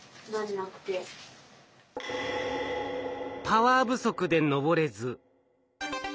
パワー不足で上れず。